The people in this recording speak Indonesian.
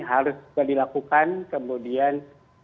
harus juga dilakukan kemudian